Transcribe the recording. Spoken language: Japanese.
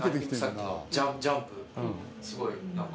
すごい何か。